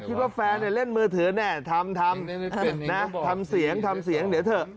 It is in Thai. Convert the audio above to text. คิดว่าแฟนเล่นมือถือแน่ทำทำเสียงทำเสียงเดี๋ยวเถอะ